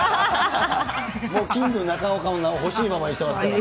もうキング中岡の名を欲しいままにしていますから。